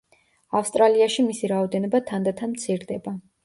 ავსტრალიაში მისი რაოდენობა თანდათან მცირდება.